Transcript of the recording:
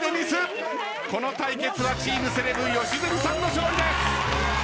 この対決はチームセレブ良純さんの勝利です。